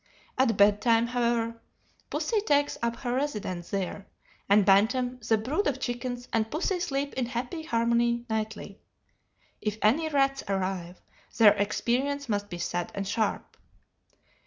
At bedtime, however, pussy takes up her residence there, and bantam, the brood of chickens, and pussy sleep in happy harmony nightly. If any rats arrive, their experience must be sad and sharp.